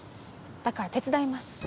だから手伝います。